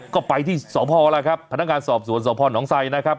ก็ไปที่สอบภอร์แล้วครับพนักงานสอบสวนสอบภอร์หนองไซนะครับ